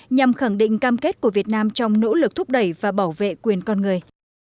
nhằm khẳng định cam kết của việt nam trong nỗ lực thúc đẩy và bảo vệ quyền con người